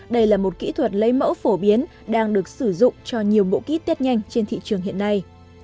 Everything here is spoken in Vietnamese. đây là một kỹ thuật lấy mẫu phổ biến đang được sử dụng cho nhiều bộ kit nhanh trên thị trường hiện nay